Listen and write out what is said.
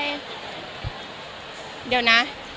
เดี๋ยวนะ